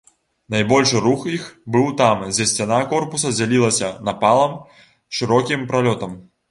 Найбольшы рух іх быў там, дзе сцяна корпуса дзялілася напалам шырокім пралётам.